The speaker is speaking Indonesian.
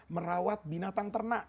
merawat binatang ternak